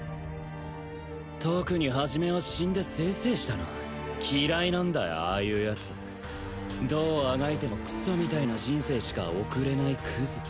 特に一は死んでせいせいしたな嫌いなんだよああいうヤツどうあがいてもクソみたいな人生しか送れないクズ